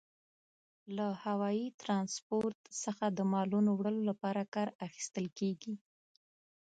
له هوايي ترانسپورت څخه د مالونو وړلو لپاره کار اخیستل کیږي.